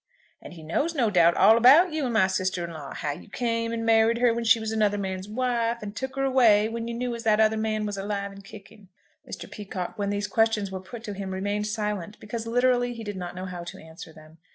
"And he knows, no doubt, all about you and my sister in law; how you came and married her when she was another man's wife, and took her away when you knew as that other man was alive and kicking?" Mr. Peacocke, when these questions were put to him, remained silent, because literally he did not know how to answer them.